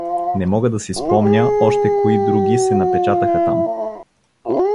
Не мога да си спомня още кои други се напечатаха там.